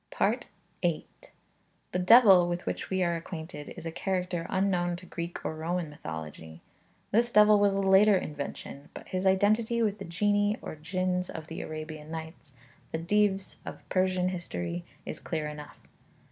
FOOTNOTE: 'Dosparth Edeyrn Dafod Aur,' 3. VIII. The devil with which we are acquainted is a character unknown to Greek or Roman mythology; this devil was a later invention; but his identity with the genii, or jinns of the 'Arabian Nights,' the Dïvs of Persian history, is clear enough.